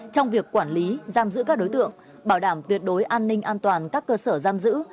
trong việc quản lý giam giữ các đối tượng bảo đảm tuyệt đối an ninh an toàn các cơ sở giam giữ